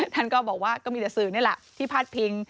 ท่านก็บอกว่าก็มีแต่สื่อนี่แหละที่พาดพิง